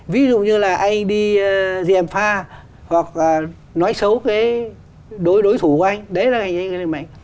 ví dụ như là anh đi diệm pha hoặc nói xấu đối thủ của anh đấy là hành vi là hành mạnh